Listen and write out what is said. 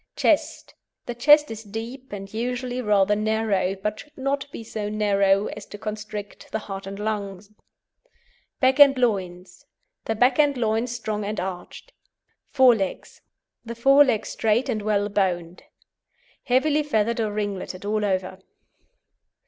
CHEST The chest is deep, and usually rather narrow, but should not be so narrow as to constrict the heart and lungs. BACK AND LOINS The back and loins strong and arched. FORE LEGS The fore legs straight and well boned. Heavily feathered or ringleted all over.